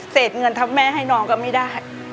เศษเงินทำแม่ให้น้องก็ไม่ได้